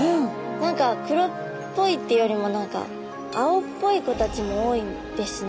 何か黒っぽいっていうよりも何か青っぽい子たちも多いんですね。